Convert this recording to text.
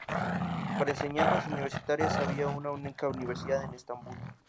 Para enseñanzas universitarias había una única universidad en Estambul.